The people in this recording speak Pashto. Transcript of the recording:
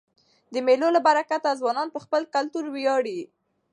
د مېلو له برکته ځوانان په خپل کلتور وياړي.